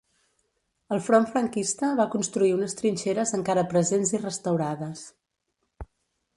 El front franquista va construir unes trinxeres encara presents i restaurades.